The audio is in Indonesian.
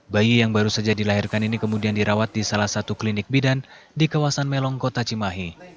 bayi yang baru saja dilahirkan ini kemudian dirawat di salah satu klinik bidan di kawasan melong kota cimahi